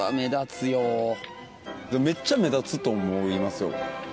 めっちゃ目立つと思いますよ。